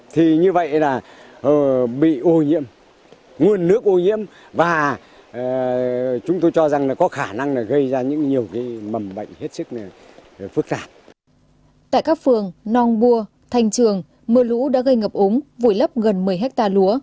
tại các phường nong bua thanh trường mưa lũ đã gây ngập úng vùi lấp gần một mươi hectare lúa